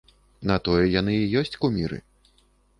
На тое яны і ёсць куміры.